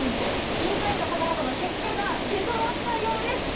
審査員の方々の結果が出そろったようです。